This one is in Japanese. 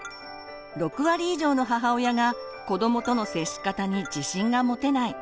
６割以上の母親が子どもとの接し方に自信が持てない。